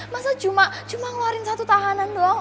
masa cuma ngeluarin satu tahanan doang